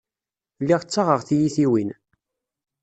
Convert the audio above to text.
Lliɣ ttaɣeɣ tiyitiwin.